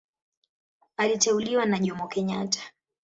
Aliteuliwa na Jomo Kenyatta.